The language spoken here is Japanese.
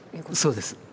そうです。